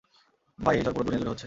ভাই, এই ঝড় পুরো দুনিয়াজুড়ে হচ্ছে!